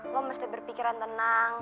lo mesti berpikiran tenang